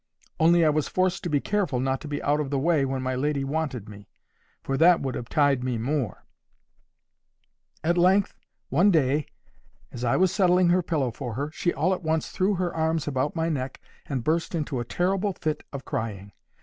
Only I was forced to be careful not to be out of the way when my lady wanted me, for that would have tied me more. At length one day, as I was settling her pillow for her, she all at once threw her arms about my neck, and burst into a terrible fit of crying.